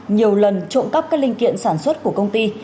nhiều lần trộm cắp các linh kiện sản xuất của công ty